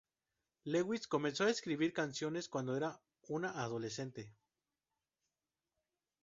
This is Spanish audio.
Lewis comenzó a escribir canciones cuando era una adolescente.